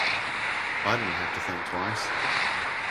I didn't have to think twice.